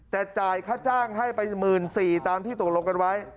แต่จ่ายค่าจ้างให้ไป๑๔๐๐ตามที่ตกลงกันไว้